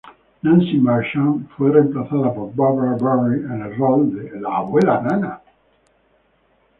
Nancy Marchand fue reemplazada por Bárbara Barrie en el rol de la abuela "Nana".